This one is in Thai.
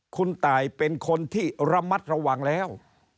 คุณตายเป็นคนที่ระมัดระวังแล้ว